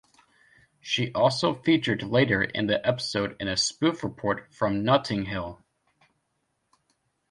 She also featured later in the episode in a spoof report from Notting Hill.